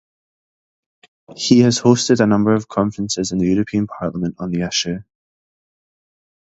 He has hosted a number of conferences in the European Parliament on the issue.